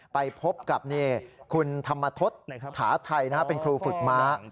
ไปพบกับคุณธรรมทศถาชัยเป็นครูฝึกม้า